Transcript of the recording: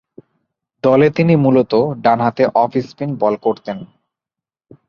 দলে তিনি মূলতঃ ডানহাতে অফ স্পিন বোলিং করতেন।